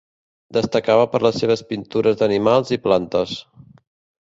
Destacava per les seves pintures d'animals i plantes.